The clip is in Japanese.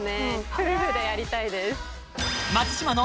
夫婦でやりたいです